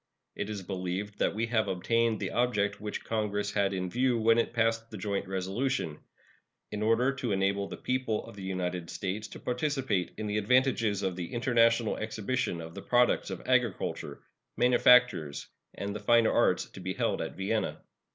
It is believed that we have obtained the object which Congress had in view when it passed the joint resolution "in order to enable the people of the United States to participate in the advantages of the International Exhibition of the Products of Agriculture, Manufactures, and the Fine Arts to be held at Vienna."